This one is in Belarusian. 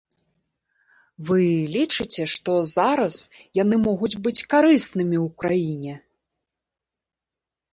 Вы лічыце, што зараз яны могуць быць карыснымі ў краіне?